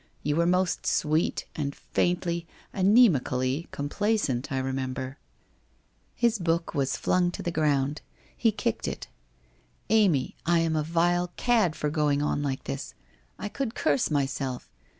You were most sweet, and faintly, anasmi cally, complaisant, I remember. ...' His book was flung to the ground. He kicked it. ' Amy, I am a vile cad for going on like this. I could curse myself.